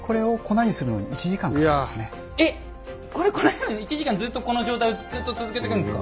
これ粉にするのに１時間ずっとこの状態をずっと続けていくんですか？